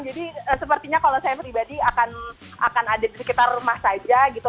jadi sepertinya kalau saya pribadi akan ada di sekitar rumah saja gitu